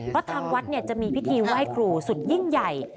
เพราะทางวัดจะมีพิธีไหว้ครูสุดยิ่งใหญ่